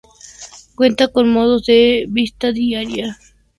Cuenta con modos de vista diaria, semanal, mensual y del programa.